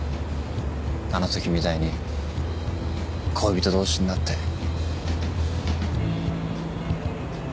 あのときみたいに恋人同士になって。